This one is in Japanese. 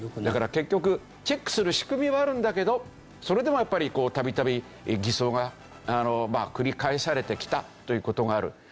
だから結局チェックする仕組みはあるんだけどそれでもやっぱりこう度々偽装が繰り返されてきたという事がある。